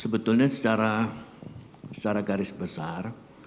sebetulnya secara garis besar